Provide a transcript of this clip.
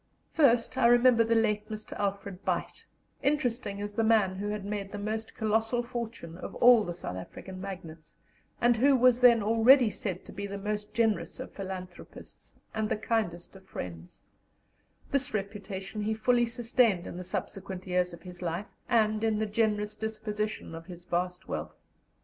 First I remember the late Mr. Alfred Beit, interesting as the man who had made the most colossal fortune of all the South African magnates, and who was then already said to be the most generous of philanthropists and the kindest of friends; this reputation he fully sustained in the subsequent years of his life and in the generous disposition of his vast wealth.